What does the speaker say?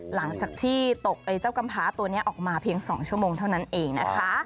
หลังจากที่ตกไอ้เจ้ากำพ้าตัวนี้ออกมาเพียง๒ชั่วโมงเท่านั้นเองนะคะ